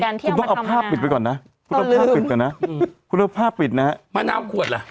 กูต้องเอาผ้าปิดไปก่อนนะกูต้องเอาผ้าปิดก่อนนะกูต้องเอาผ้าปิดนะมะนาวขวดละ